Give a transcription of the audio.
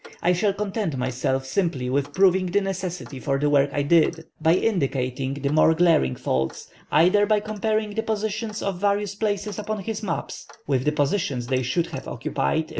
I shall content myself simply with proving the necessity for the work I did, by indicating the more glaring faults, either by comparing the positions of various places upon his maps, with the positions they should have occupied if _M.